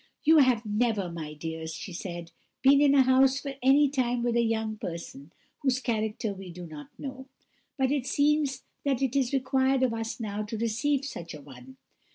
"You have never, my dears," she said, "been in a house for any time with a young person whose character we do not know; but it seems that it is required of us now to receive such a one.